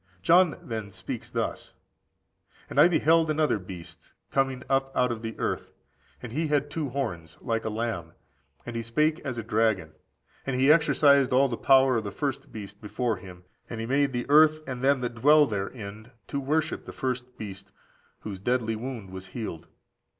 John then speaks thus: "And I beheld another beast coming up out of the earth; and he had two horns, like a lamb, and he spake as a dragon. And he exercised all the power of the first beast before him; and he made the earth and them which dwell therein to worship the first beast, whose deadly wound was healed.